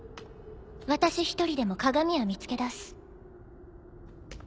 私一人でも鏡は見つけ出す。